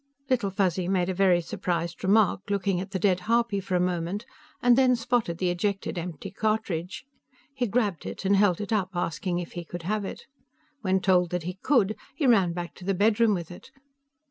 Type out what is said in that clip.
Little Fuzzy made a very surprised remark, looked at the dead harpy for a moment and then spotted the ejected empty cartridge. He grabbed it and held it up, asking if he could have it. When told that he could, he ran back to the bedroom with it.